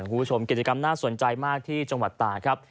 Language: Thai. คุณผู้ชมกิจกรรมน่าสนใจมากที่จังหวัดตาครับ